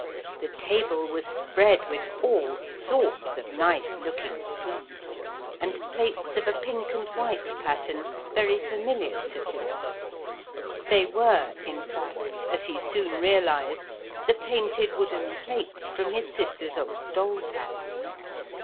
The table was spread with all sorts of nice looking foods and plates of a pink and white pattern very familiar to Philip. They were, in fact, as he soon realised, the painted wooden plates from his sister's old dolls' house.